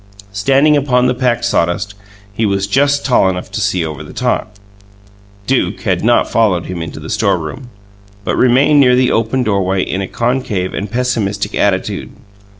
Standing upon the packed sawdust, he was just tall enough to see over the top. Duke had not followed him into the storeroom, but remained near the open doorway in a concave and pessimistic attitude.